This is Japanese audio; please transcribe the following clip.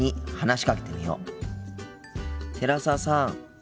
寺澤さん。